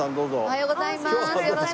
おはようございます！